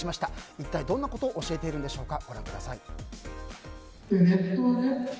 一体どんなことを教えているんでしょうか。